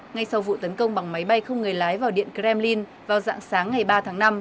ngay sau vụ tấn công bằng máy bay không người lái vào điện kremlin vào dạng sáng ngày ba tháng năm